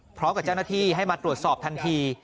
พร้อมกับเจ้าหน้าที่ให้มาตรวจสอบทันที